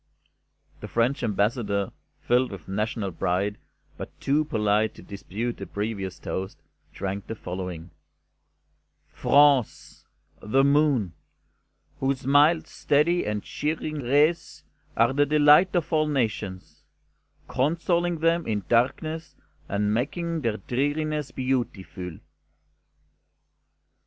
The French Ambassador, filled with national pride, but too polite to dispute the previous toast, drank the following: "France' The Moon, whose mild, steady and cheering rays are the delight of all nations, consoling them in darkness and making their dreariness beautiful."